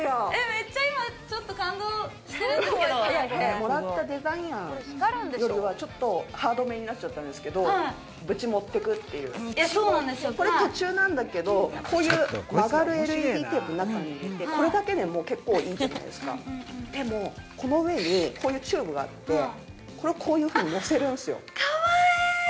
めっちゃ今ちょっと感動してるんですけどもらったデザイン案よりはちょっとハードめになっちゃったんですけどはいいやそうなんですよこれ途中なんだけどこういうこれだけでも結構いいんじゃないですかでもこの上にこういうチューブがあってこれをこういうふうに乗せるんすよかわいい！